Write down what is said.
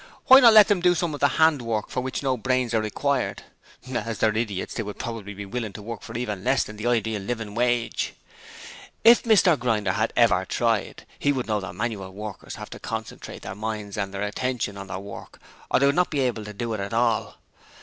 Why not let them do some of the hand work for which no brains are required? As they are idiots, they would probably be willing to work for even less than the ideal "living wage". If Mr Grinder had ever tried, he would know that manual workers have to concentrate their minds and their attention on their work or they would not be able to do it at all.